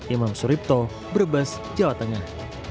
imam suripto brebes jawa tengah